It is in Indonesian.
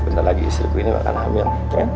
bentar lagi istriku ini akan hamil